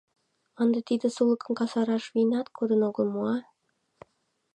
Ынде тиде сулыкым касараш вийнат кодын огыл мо, а?!